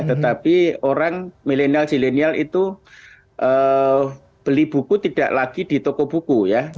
tetapi orang milenial zilenial itu beli buku tidak lagi di toko buku ya